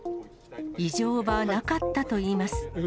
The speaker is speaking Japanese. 異常はなかったといいます。